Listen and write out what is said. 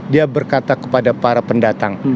dia berkata kepada para pendatang